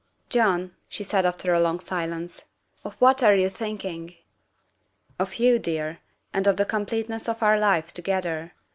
" John," she said after a long silence, " of what are you thinking?" " Of you, dear, and of the completeness of our life together.